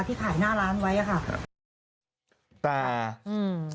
ที่ขายหน้าร้านไว้ครับ